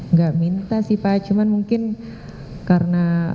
enggak minta sih pak cuma mungkin karena